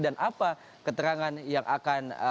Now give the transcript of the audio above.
dan apa keterangan yang akan